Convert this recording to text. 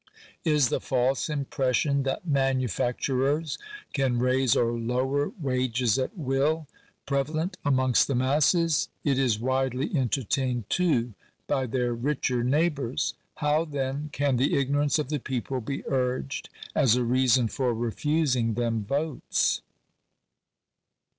Is the false impression that manufacturers can raise or lower wages at will, prevalent amongst the masses ? it is widely enter tained, too, by their richer neighbours. How, then, can the ignorance of the people be urged as a reason for refusing them votes?